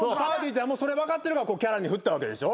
ちゃんもそれ分かってるからキャラに振ったわけでしょ？